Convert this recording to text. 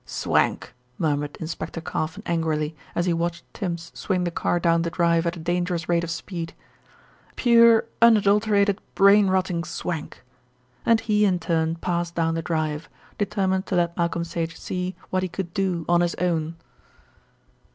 "Swank!" murmured Inspector Carfon angrily, as he watched Tims swing the car down the drive at a dangerous rate of speed, "pure, unadulterated, brain rotting swank," and he in turn passed down the drive, determined to let Malcolm Sage see what he could do "on his own."